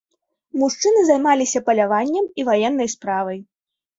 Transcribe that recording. Мужчыны займаліся паляваннем і ваеннай справай.